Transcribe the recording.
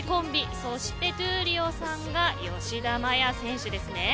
そして闘莉王さんが吉田麻也選手ですね。